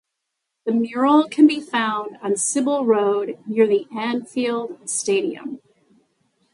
The mural can be found on Sybil Road near the Anfield Stadium.